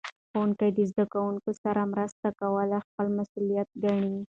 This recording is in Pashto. ښوونکي د زده کوونکو سره مرسته کول خپل مسؤلیت ګڼي.